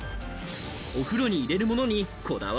お風呂に入れるものにこだわ